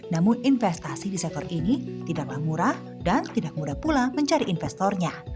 namun investasi di sektor ini tidaklah murah dan tidak mudah pula mencari investornya